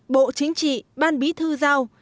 bộ chính trị ban bí thư giao